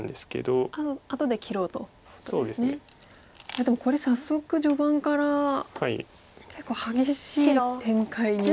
いやでもこれ早速序盤から結構激しい展開に。